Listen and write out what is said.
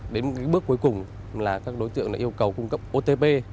đến bước cuối cùng là các đối tượng yêu cầu cung cấp otp